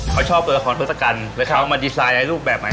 เขาชอบเอาของเครื่องสกันก็เขาออกมาไลน์ดรูปแบบใหม่